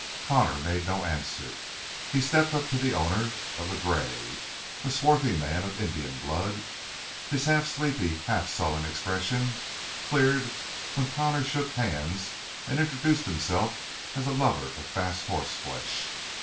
Connor made no answer. He stepped up to the owner of the gray, a swarthy man of Indian blood. His half sleepy, half sullen expression cleared when Connor shook hands and introduced himself as a lover of fast horse flesh.